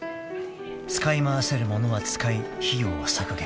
［使い回せる物は使い費用は削減］